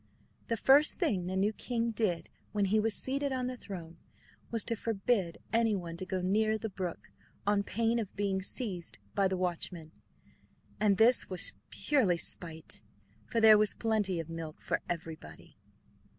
The first thing the new king did when he was seated on the throne, was to forbid anyone to go near the brook, on pain of being seized by the watchmen. And this was purely spite, for there was plenty of milk for everybody.